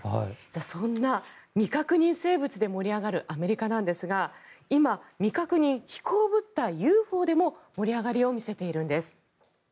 そんな未確認生物で盛り上がるアメリカなんですが今、未確認飛行物体・ＵＦＯでも盛り上がりを見せているんです。